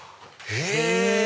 へぇ！